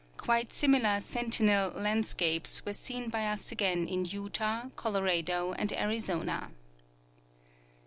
Quite similar " sentinel " landscapes Avere seen by us again in Utah, Colorado and Arizona.